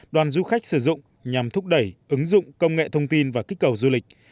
đoàn du khách sử dụng nhằm thúc đẩy ứng dụng công nghệ thông tin và kích cầu du lịch